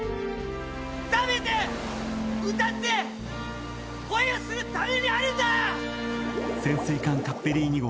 「食べて歌って」「恋をするためにあるんだ！」